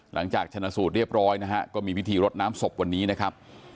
หลังจากชนะสูตรเรียบร้อยนะฮะก็มีพิธีรดน้ำศพวันนี้นะครับ